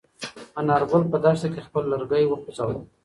انارګل په دښته کې خپل لرګی وخوځاوه.